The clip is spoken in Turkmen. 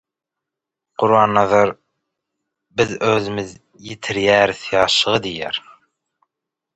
Gurbannazar «Biz özümiz ýitirýäris ýaşlygy» diýýär.